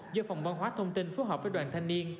do phòng văn hóa thông tin phối hợp với đoàn thanh niên